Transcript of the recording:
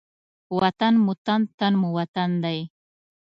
وطن مو تن، تن مو وطن دی.